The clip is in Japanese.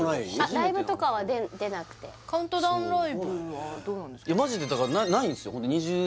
ライブとかは出なくてカウントダウンライブはどうなんですかマジでだからないんですよ